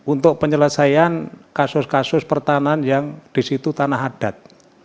untuk penyelesaian kasus kasus pertahanan yang disitu tanah adat